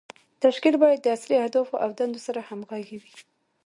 تشکیل باید د اصلي اهدافو او دندو سره همغږی وي.